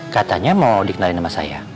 katanya mau dikenali nama saya